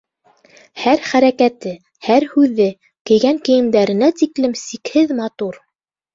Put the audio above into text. Һәр хәрәкәте, һәр һүҙе, кейгән кейемдәренә тиклем сикһеҙ матур.